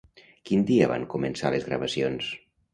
Quin dia van començar les gravacions?